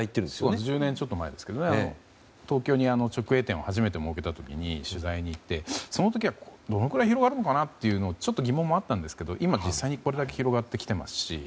１０年ちょっと前、東京に直営店を初めて設けた時に取材に行って、その時はどのくらい広がるのかなと疑問もあったんですが今、実際にこれだけ広がってきていますし。